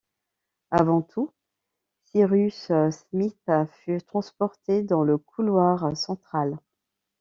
Avant tout, Cyrus Smith fut transporté dans le couloir central.